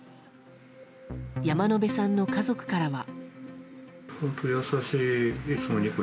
山野辺さんの家族からは。